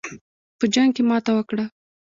په جنګ کې ماته وکړه.